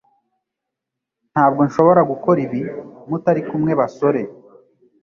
Ntabwo nshobora gukora ibi mutari kumwe basore